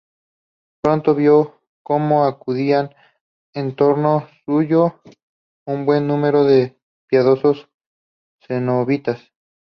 Pronto vio cómo acudían en torno suyo un buen número de piadosos cenobitas.